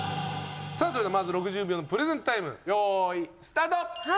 それではまず６０秒のプレゼンタイムよいスタート！